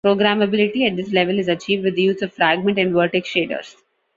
Programmability at this level is achieved with the use of fragment and vertex shaders.